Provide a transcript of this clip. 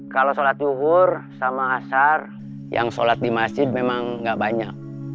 kalau sholat duhur sama asar yang sholat di masjid memang gak banyak